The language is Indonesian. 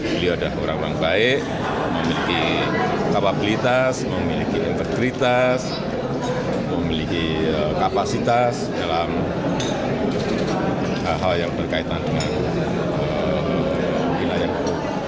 beliau adalah orang orang baik memiliki kapabilitas memiliki integritas memiliki kapasitas dalam hal hal yang berkaitan dengan wilayah hukum